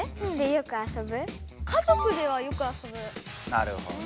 なるほど。